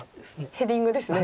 ヘディングですね。